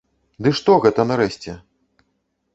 Ды што гэта, нарэшце?